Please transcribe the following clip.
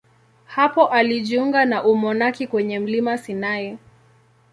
Hapo alijiunga na umonaki kwenye mlima Sinai.